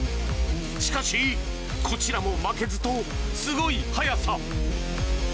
しかし、こちらも負けずとすごい速さ。